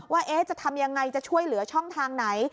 ว่าจะทำยังไงจะช่วยเหลือช่องทางไหน